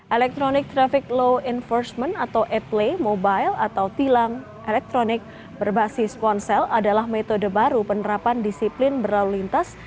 electronic traffic law enforcement atau atlay mobile atau tilang elektronik berbasis ponsel adalah metode baru penerapan disiplin berlalu lintas